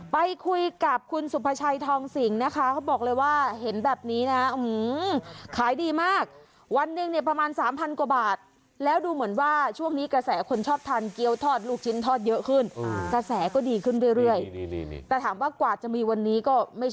ไปคุยกับคุณสุภาชัยทองสิงนะคะเขาบอกเลยว่าเห็นแบบนี้นะอื้อขายดีมาก